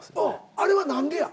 あれは何でや？